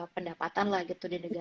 pendapatan lah gitu di negara